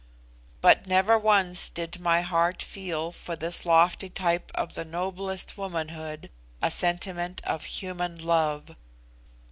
But never once did my heart feel for this lofty type of the noblest womanhood a sentiment of human love.